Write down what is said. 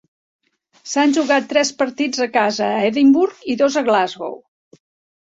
S'han jugat tres partits en casa a Edimburg i dos a Glasgow.